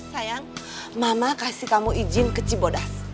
sayang mama kasih kamu izin ke cibodas